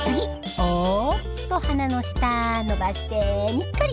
おっと鼻の下のばしてにっこり。